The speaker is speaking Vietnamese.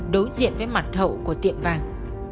đối diện với mặt hậu của tiệm vàng